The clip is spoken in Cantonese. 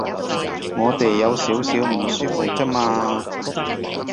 我哋有少少唔舒服啫嘛